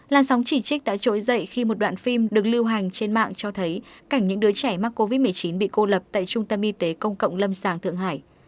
làn sóng chỉ trích đã trỗi dậy khi một đoạn phim được lưu hành trên mạng cho thấy cảnh những đứa trẻ mắc covid một mươi chín bị cô lập tại trung tâm y tế công cộng lâm sàng thượng hải